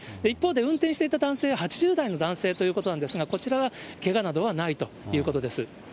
一方で、運転していた男性、８０代の男性ということなんですが、こちらはけがなどはないということです。